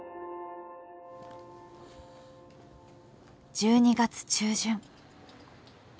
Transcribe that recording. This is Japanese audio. １２月中旬。